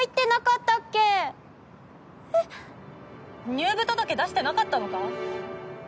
入部届出してなかったのか？